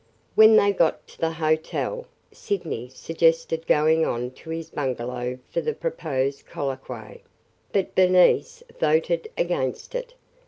When they got to the hotel, Sydney suggested going on to his bungalow for the proposed colloquy, but Bernice voted against this.